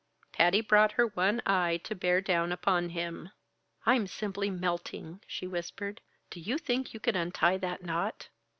Patty brought her one eye to bear down upon him. "I'm simply melting!" she whispered. "Do you think you could untie that knot?"